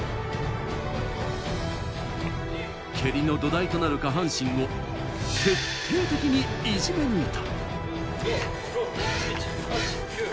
蹴りの土台となる下半身を徹底的にいじめ抜いた。